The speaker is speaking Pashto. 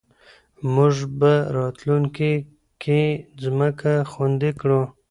موږ به راتلونکې کې ځمکه خوندي کړو.